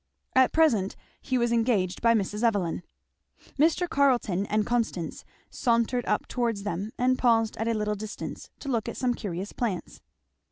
At present he was engaged by Mrs. Evelyn. Mr. Carleton and Constance sauntered up towards them and paused at a little distance to look at some curious plants.